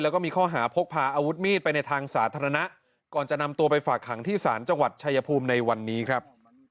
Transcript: แล้วก็มีข้อหาพกพาอาวุธมีดไปในทางสาธารณะก่อนจะนำตัวไปฝากขังที่ศาลจังหวัดชายภูมิในวันนี้ครับ